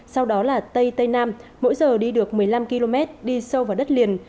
sau đó là tây tây nam mỗi giờ đi được một mươi năm km đi sâu vào đất liền